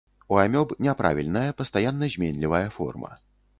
У амёб няправільная, пастаянна зменлівая форма.